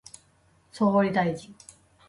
総理大臣